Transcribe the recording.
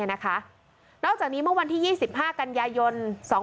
นอกจากนี้เมื่อวันที่๒๕กันยายน๒๕๖๒